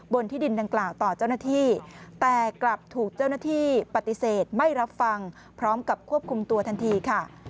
ที่ดินดังกล่าวต่อเจ้าหน้าที่แต่กลับถูกเจ้าหน้าที่ปฏิเสธไม่รับฟังพร้อมกับควบคุมตัวทันทีค่ะ